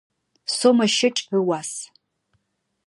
Сомэ щэкӏ ыуас.